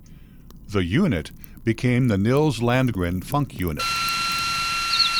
The "Unit" became the Nils Landgren Funk Unit.